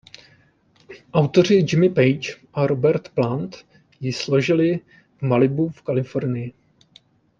Autoři Jimmy Page a Robert Plant ji složili v Malibu v Kalifornii.